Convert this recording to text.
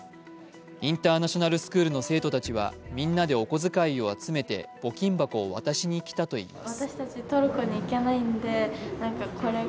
インターナショナルスクールの生徒たちはみんなでお小遣いを集めて募金箱を渡しに来たといいます。